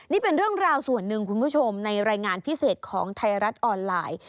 นี่เป็นเรื่องราวส่วนหนึ่งคุณผู้ชมในรายงานพิเศษของไทยรัฐออนไลน์